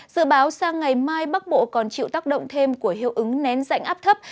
dự báo sang ngày mai bắc bộ còn chịu tác động thêm của hiệu ứng nén dạnh áp thấp